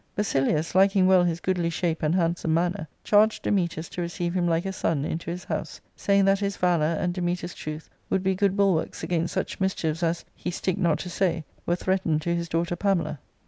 Basilius, liking well his goodly shape and handsome manner, charged Dametas to receive him like a son into his house, saying that his valour and Dametas' truth would be good bulwarks against such mischiefs as, he sticked not to say, were threatened to his daughter Pamela.